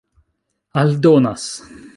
aldonas